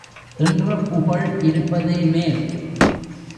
என்ற புகழ் இருப்பதே மேல்.